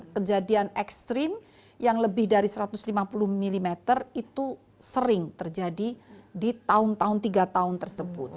kejadian ekstrim yang lebih dari satu ratus lima puluh mm itu sering terjadi di tahun tahun tiga tahun tersebut